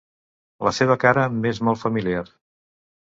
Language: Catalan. La seva cara m'és molt familiar.